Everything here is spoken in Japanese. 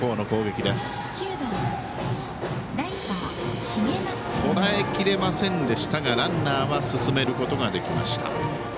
とらえきれませんでしたがランナーは進めることができました。